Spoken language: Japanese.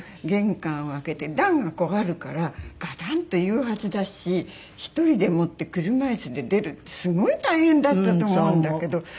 玄関を開けて段があるからガタンっていうはずだし１人でもって車椅子で出るってすごい大変だったと思うんだけど。